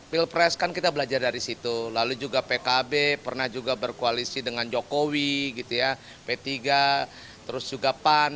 pilpres kan kita belajar dari situ lalu juga pkb pernah juga berkoalisi dengan jokowi p tiga terus juga pan